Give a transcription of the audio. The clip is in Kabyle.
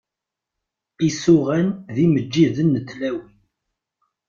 Isuɣan d yimeǧǧiden n tlawin.